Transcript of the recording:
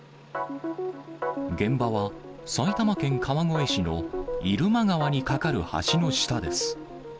現場は埼玉県川越市の入間川に架かる橋の下です。